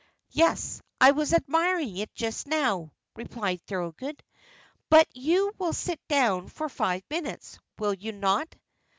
"Yes, I was admiring it just now," replied Thorold; "but you will sit down for five minutes, will you not?"